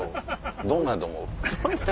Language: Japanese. どんなんやと思う？